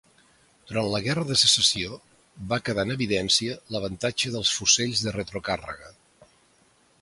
Durant la Guerra de Secessió, va quedar en evidència l'avantatge dels fusells de retrocàrrega.